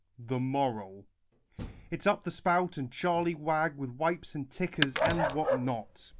The Moral. It's up the spout and Charley Wag With wipes and tickers and what not